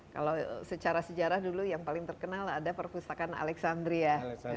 kalau secara sejarah dulu yang paling terkenal ada perpustakaan alexandria